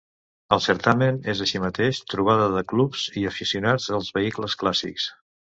El certamen es així mateix trobada de clubs i aficionats dels vehicles clàssics.